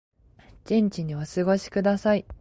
元気にお過ごしください